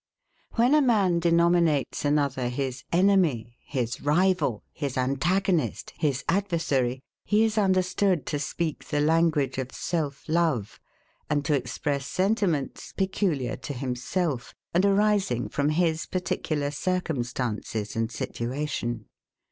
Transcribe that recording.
When a man denominates another his ENEMY, his RIVAL, his ANTAGONIST, his ADVERSARY, he is understood to speak the language of self love, and to express sentiments, peculiar to himself, and arising from his particular circumstances and situation.